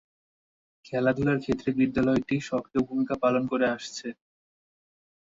খেলাধুলার ক্ষেত্রে বিদ্যালয়টি সক্রিয় ভূমিকা পালন করে আসছে।